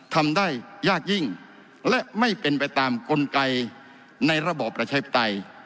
ทำได้ยากยิ่งและไม่เป็นไปตามกลไกในระบอบประชาธิปไตย